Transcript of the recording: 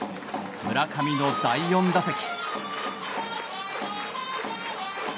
村上の第４打席。